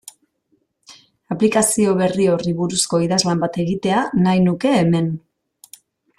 Aplikazio berri horri buruzko idazlan bat egitea nahi nuke hemen.